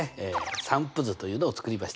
「散布図」というのを作りましたね。